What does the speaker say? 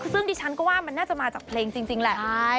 ซึ่งดิฉันก็ว่ามันน่าจะมาจากเพลงจริงแหละ